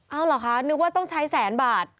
เอาเหรอคะนึกว่าต้องใช้แสนบาท